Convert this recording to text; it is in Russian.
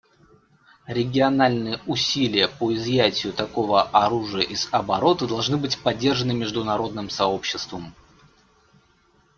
Региональные усилия по изъятию такого оружия из оборота должны быть поддержаны международным сообществом.